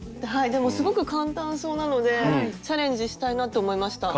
でもすごく簡単そうなのでチャレンジしたいなと思いました。